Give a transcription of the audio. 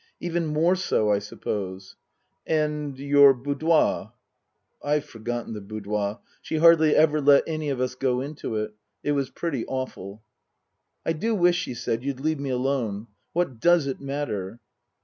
" Even more so, I suppose. And your boudoir ?" (I've forgotten the boudoir. She hardly ever let any of us go into it. It was pretty awful.) " I do wish," she said, " you'd leave me alone. What does it matter